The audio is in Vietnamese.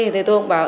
thì tôi cũng bảo